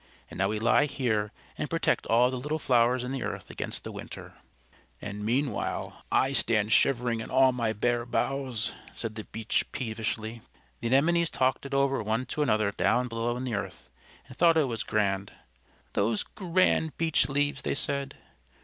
And now we lie here and protect all the little flowers in the earth against the winter." "And meanwhile I stand shivering in all my bare boughs," said the Beech peevishly. The Anemones talked it over one to another down below in the earth, and thought it was grand. "Those grand Beech Leaves!" they said.